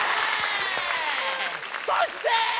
そして！